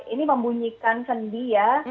ini membunyikan sendi ya